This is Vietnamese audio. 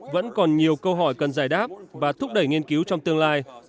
vẫn còn nhiều câu hỏi cần giải đáp và thúc đẩy nghiên cứu trong tương lai